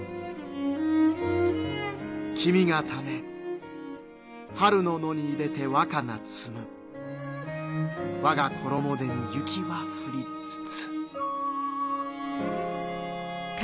「君がため春の野にいでて若菜つむわが衣手に雪は降りつつ」。